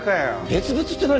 別々って何？